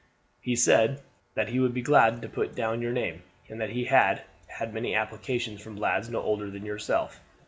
"He said that he would be glad to put down your name, and that he had had many applications from lads no older than yourself.